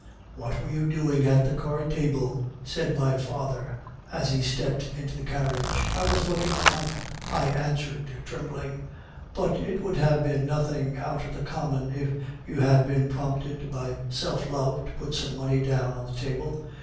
"'What were you doing at the card table?' said my father as we stepped into the carriage. "'I was looking on,' I answered, trembling. "'But it would have been nothing out of the common if you had been prompted by self love to put some money down on the table.